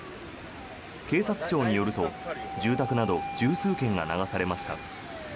警察庁によると、住宅など１０数軒が流されました。